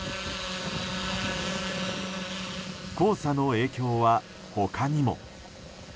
黄砂の影響は他にも。